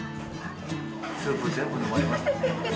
スープ、全部飲まれましたね。